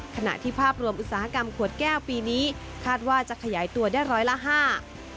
ขณะที่ภาพรวมอุตสาหกรรมขวดแก้วปีนี้คาดว่าจะขยายตัวได้ร้อยละห้า